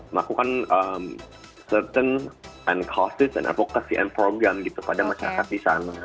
melakukan certain and costes and advocacy and program gitu pada masyarakat di sana